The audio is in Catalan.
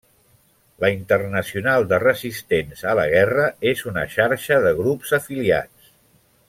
La Internacional de Resistents a la Guerra és una xarxa de grups afiliats.